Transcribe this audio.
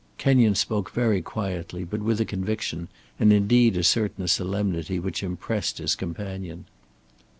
Kenyon spoke very quietly but with a conviction, and, indeed, a certain solemnity, which impressed his companion.